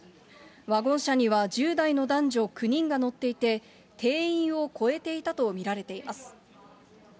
ワゴン車には１０代の男女９人が乗っていて、定員を超えていたと見られています。